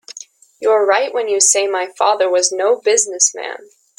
You're right when you say my father was no business man.